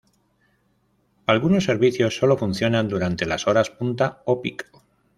Algunos servicios sólo funcionan durante las horas punta o pico.